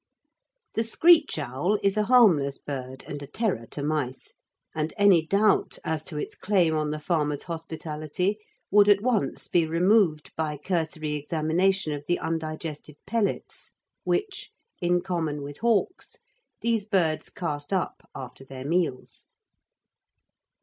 The screech owl is a harmless bird and a terror to mice, and any doubt as to its claim on the farmer's hospitality would at once be removed by cursory examination of the undigested pellets which, in common with hawks, these birds cast up after their meals.